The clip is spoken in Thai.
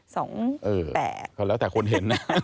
แต่ก็แล้วแต่คนเห็นนะ